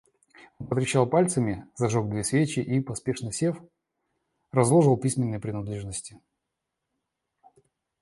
Он потрещал пальцами, зажег две свечи и, поспешно сев, разложил письменные принадлежности.